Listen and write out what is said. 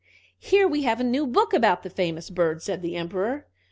"Here we have a new book about this famous bird," said the Emperor.